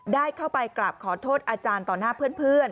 ได้เข้าไปกราบขอโทษอาจารย์ต่อหน้าเพื่อน